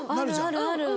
あるあるある。